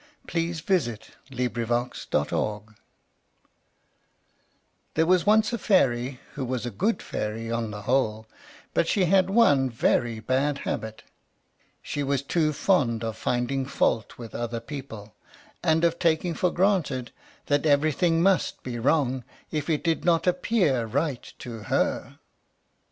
THE FAIRY WHO JUDGED HER NEIGHBORS There was once a Fairy who was a good Fairy, on the whole, but she had one very bad habit; she was too fond of finding fault with other people, and of taking for granted that everything must be wrong if it did not appear right to her.